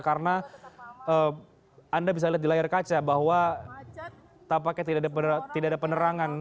karena anda bisa lihat di layar kaca bahwa tak pakai tidak ada penerangan